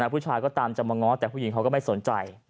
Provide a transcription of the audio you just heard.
ผู้ชายก็ตามจะมาง้อแต่ผู้หญิงเขาก็ไม่สนใจ